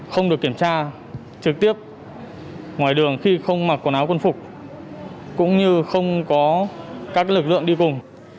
không được kiểm tra trực tiếp ngoài đường khi không mặc quần áo quân phục cũng như không có các lực lượng đi vùng